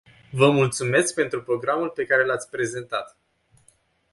Vă mulțumesc pentru programul pe care l-ați prezentat.